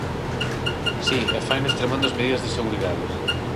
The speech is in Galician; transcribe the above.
Si, e faino extremando as medidas de seguridade.